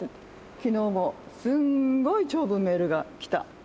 きのうもすんごい長文メールが来た。